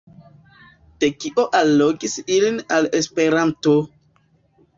Do kio allogis ilin al Esperanto?